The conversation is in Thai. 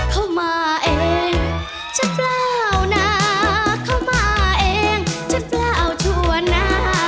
เข้ามาเองฉันเปล่านะเข้ามาเองฉันเปล่าทั่วหน้า